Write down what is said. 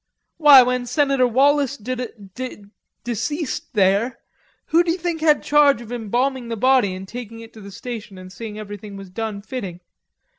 "Why, when Senator Wallace d d deceased there, who d'you think had charge of embalming the body and taking it to the station an' seeing everything was done fitting?